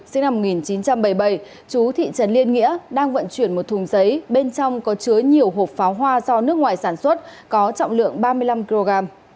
sinh năm một nghìn chín trăm bảy mươi bảy chú thị trấn liên nghĩa đang vận chuyển một thùng giấy bên trong có chứa nhiều hộp pháo hoa do nước ngoài sản xuất có trọng lượng ba mươi năm kg